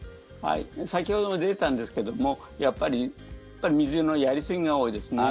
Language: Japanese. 先ほども出たんですけどもやっぱり水のやりすぎが多いですね。